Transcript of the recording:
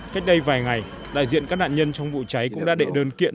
cách đây vài ngày đại diện các nạn nhân trong vụ cháy cũng đã đệ đơn kiện